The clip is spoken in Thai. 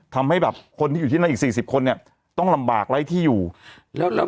ทำให้แบบคนที่อยู่ที่นั่นอีก๔๐คนเนี่ยต้องลำบากไร้ที่อยู่แล้วแล้ว